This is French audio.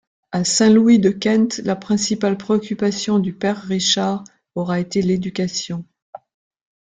À Saint-Louis-de-Kent, la principale préoccupation du père Richard aura été l'éducation.